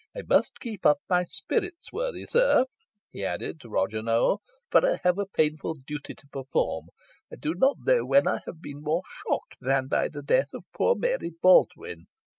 I must keep up my spirits, worthy sir," he added to Roger Nowell, "for I have a painful duty to perform. I do not know when I have been more shocked than by the death of poor Mary Baldwyn.